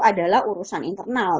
adalah urusan internal